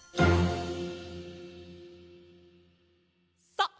さあ